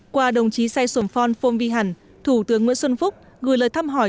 qua đồng chí sai suom phong phong vi hẳn thủ tướng nguyễn xuân phúc gửi lời thăm hỏi